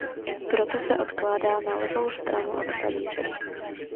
Proto se odkládá na levou stranu od talíře.